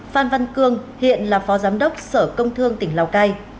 phan văn cương hiện là phó giám đốc sở công thương tỉnh lào cai